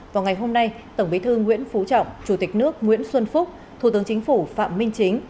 vào ngày hôm nay tổng bí thư nguyễn phú trọng chủ tịch nước nguyễn xuân phúc thủ tướng chính phủ phạm minh chính